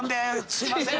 すいません。